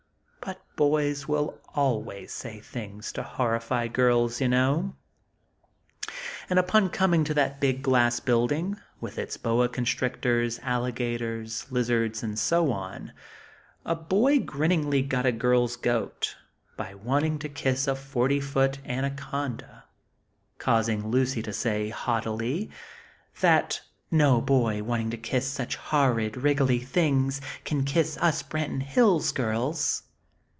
(But boys always will say things to horrify girls, you know.) And upon coming to that big glass building, with its boa constrictors, alligators, lizards and so on, a boy grinningly "got a girl's goat" by wanting to kiss a fifty foot anaconda; causing Lucy to say, haughtily, that "No boy, wanting to kiss such horrid, wriggly things can kiss us Branton Hills girls."